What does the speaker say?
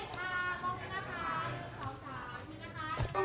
ขอขอบคุณหน่อยนะคะ